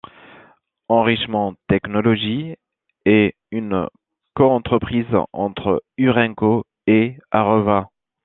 Enrichment Technology est une coentreprise entre Urenco et Areva.